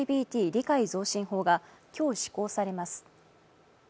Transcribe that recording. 理解増進法が今日施行されます。